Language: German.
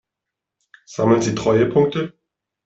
Sammeln Sie Treuepunkte?